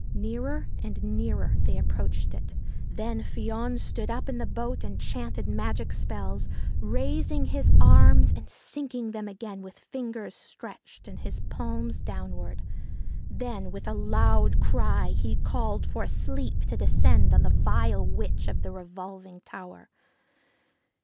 Nearer and nearer they approached it. Then Fion stood up in the boat and chanted magic spells, raising his arms and sinking them again with fingers stretched and his palms downwards. Then with a loud cry he called for sleep to descend on the vile witch of the revolving tower.